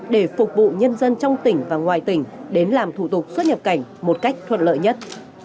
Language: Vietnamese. để phục vụ nhân dân trong tỉnh và ngoài tỉnh đến làm thủ tục xuất nhập cảnh một cách thuận lợi nhất